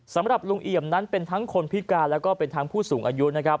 สำหรับลุงเอี่ยมนั้นเป็นทั้งคนพิการแล้วก็เป็นทั้งผู้สูงอายุนะครับ